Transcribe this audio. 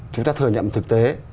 chúng ta thừa nhận thực tế